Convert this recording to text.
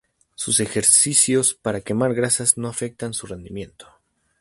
Sus ejercicios para quemar grasas no afectan su rendimiento.